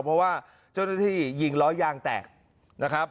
เพราะว่าเจ้าหน้าที่ยิงล้อยางแตกนะครับ